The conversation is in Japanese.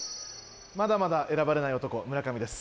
まだまだ選ばれない男村上です。